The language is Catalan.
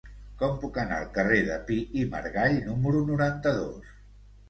Com puc anar al carrer de Pi i Margall número noranta-dos?